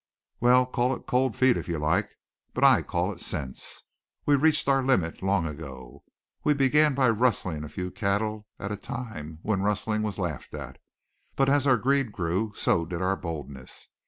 "Well, call it cold feet if you like. But I call it sense. We reached our limit long ago. We began by rustling a few cattle at a time when rustling was laughed at. But as our greed grew so did our boldness.